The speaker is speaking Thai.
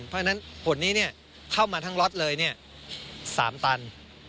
เพราะฉะนั้นผลนี้เข้ามาทั้งล็อตเลย๓ตัน